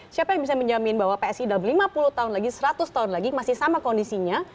siapa yang bisa menjamin bahwa psi dalam lima puluh tahun lagi seratus tahun lagi masih sama kondisinya